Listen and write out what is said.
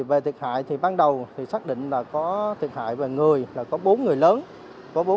về thiệt hại thì ban đầu thì xác định là có thiệt hại về người là có bốn người lớn